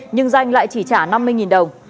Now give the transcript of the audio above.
nhưng danh lại chỉ trả năm mươi đồng